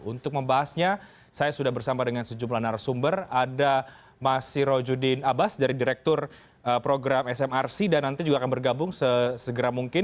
untuk membahasnya saya sudah bersama dengan sejumlah narasumber ada mas sirojudin abbas dari direktur program smrc dan nanti juga akan bergabung sesegera mungkin